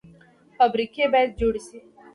فابریکې باید جوړې شي